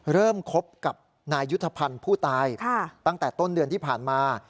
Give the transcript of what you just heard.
คบกับนายยุทธภัณฑ์ผู้ตายตั้งแต่ต้นเดือนที่ผ่านมา